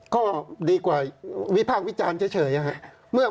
ก็ดีกว่าวิภาควิจารณ์เฉยครับ